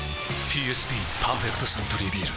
ＰＳＢ「パーフェクトサントリービール」